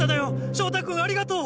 翔太君ありがとう！